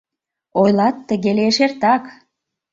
Ойлат, тыге лиеш эртак: